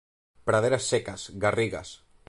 Praderas secas, garrigas.